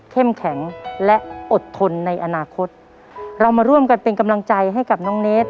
แข็งและอดทนในอนาคตเรามาร่วมกันเป็นกำลังใจให้กับน้องเนส